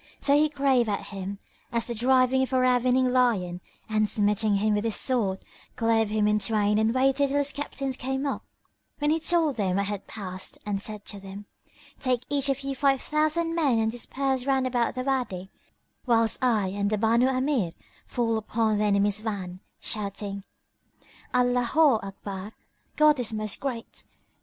So he drave at him as the driving of a ravening lion, and smiting him with his sword, clove him in twain and waited till his captains came up, when he told them what had passed and said to them, "Take each of you five thousand men and disperse round about the Wady, whilst I and the Banu Amir fall upon the enemy's van, shouting, Allaho Akbar God is Most Great!